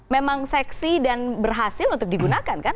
memang seksi dan berhasil untuk digunakan kan